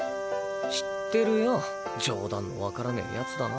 知ってるよ冗談のわからねぇ奴だな。